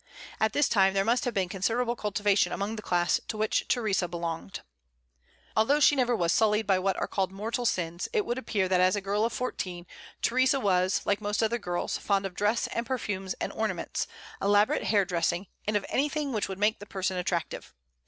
At this time there must have been considerable cultivation among the class to which Theresa belonged. Although she never was sullied by what are called mortal sins, it would appear that as a girl of fourteen Theresa was, like most other girls, fond of dress and perfumes and ornaments, elaborate hair dressing, and of anything which would make the person attractive.